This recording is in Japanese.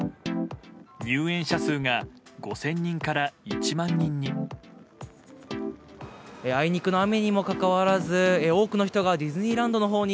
入園者数が５０００人から１万人に。